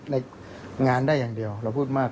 คือว่านี่มันเป็นงาน